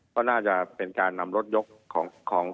ก็น่าจะเป็นการนำรถยกของ